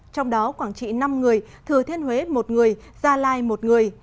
trong đó quảng trị năm người thừa thiên huế một người gia lai một người